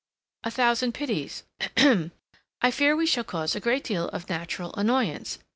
"... a thousand pities—ahem—I fear we shall cause a great deal of natural annoyance.